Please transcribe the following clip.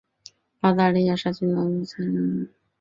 澳大利亚沙群海葵为鞘群海葵科沙群海葵属的动物。